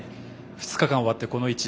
２日間が終わって、この位置。